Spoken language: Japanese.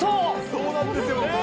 そうなんですよね。